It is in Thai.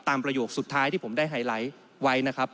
ประโยคสุดท้ายที่ผมได้ไฮไลท์ไว้นะครับ